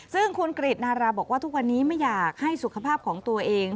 ซึ่งคุณกริจนาราบอกว่าทุกวันนี้ไม่อยากให้สุขภาพของตัวเอง